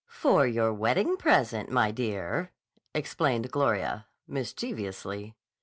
"For your wedding present, my dear," explained Gloria mischievously.